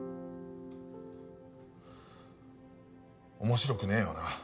面白くねえよな。